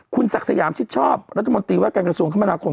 คุณศักดิ์สยามชิดชอบรัฐมนตรีว่าการกระทรวงคมนาคม